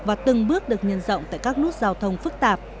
và từng bước được nhân rộng tại các nút giao thông phức tạp